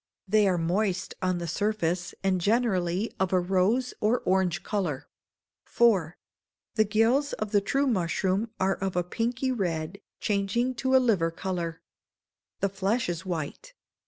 They are moist on the surface, and generally of a rose or orange colour. iv. The gills of the true mushroom are of a pinky red, changing to a liver colour. The flesh is white.